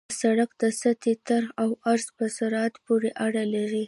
د سرک د سطحې طرح او عرض په سرعت پورې اړه لري